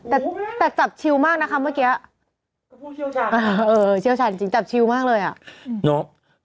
แต่จับชิวมากนะคะเมื่อกี้เออชิวฉันจริงจับชิวมากเลยอะ